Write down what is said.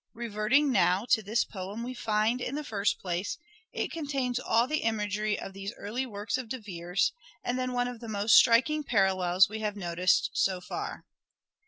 Reverting now to this poem we find, in the first place, it contains all the imagery of these early works of De Vere's and then one of the most striking parallels we have noticed so far.